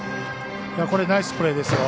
これ、ナイスプレーですよ。